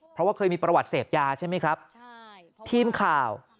เพราะว่าเคยมีประวัติเสพยาใช่ไหมครับใช่ทีมข่าว